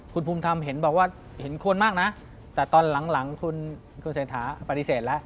คุณภูมิธรรมเห็นบอกว่าเห็นควรมากนะแต่ตอนหลังคุณเศรษฐาปฏิเสธแล้ว